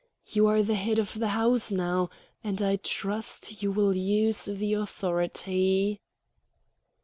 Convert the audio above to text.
You are the head of the house now, and I trust you will use the authority."